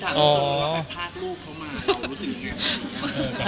อ๋อถ้าลูกเขามาเรารู้สึกยังไง